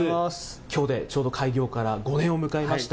きょうでちょうど開業から５年を迎えました。